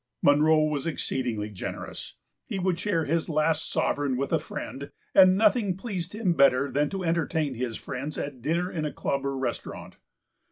Munro was exceedingly generous. He would share his last sovereign with a friend, and nothing p. xvipleased him better than to entertain his friends at dinner in a club or restaurant.